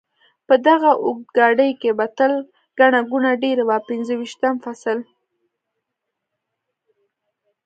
په دغه اورګاډي کې به تل ګڼه ګوڼه ډېره وه، پنځه ویشتم فصل.